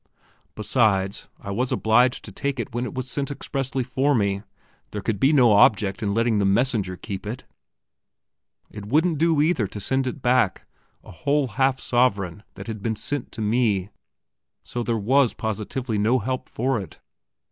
Besides, I was obliged to take it when it was sent expressly to me; there could be no object in letting the messenger keep it. It wouldn't do, either, to send it back a whole half sovereign that had been sent to me. So there was positively no help for it.